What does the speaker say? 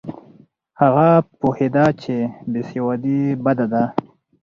هغه پوهېده چې بې سوادي بده ده.